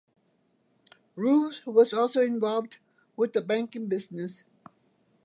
Roos was also involved with the banking business.